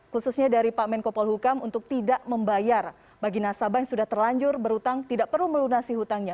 khususnya dari pak menko polhukam untuk tidak membayar bagi nasabah yang sudah terlanjur berhutang tidak perlu melunasi hutangnya